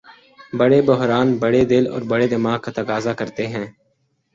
بڑے بحران بڑے دل اور بڑے دماغ کا تقاضا کرتے ہیں۔